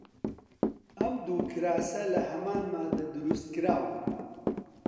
ئەم دوو کراسە لە هەمان ماددە دروست کراون.